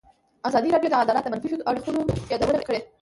ازادي راډیو د عدالت د منفي اړخونو یادونه کړې.